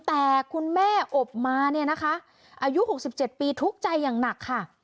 แต่คุณแม่อบมาเนี่ยนะคะอายุ๖๗ปีทุกข์ใจอย่างหนักค่ะ